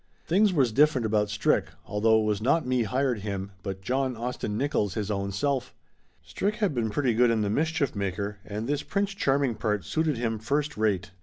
Things was different about Strick, although it was not me hired him, but John Austin Nickolls his own self. Strick had been pretty good in The Mischief Maker, and this prince charming part suited him first rate.